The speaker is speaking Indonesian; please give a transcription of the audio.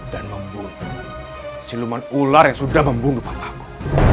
dan membunuh siluman ular yang sudah membunuh papa aku